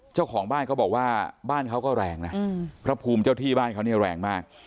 เจ้าของบ้านเขาบอกว่าบ้านเขาก็แรงนะพระภูมิเจ้าที่บ้านเขาเนี่ยแรงมาก